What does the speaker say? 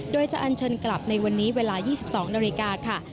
โดยจะอันเชิญกลับในวันนี้เวลา๒๒นาฬิกาค่ะ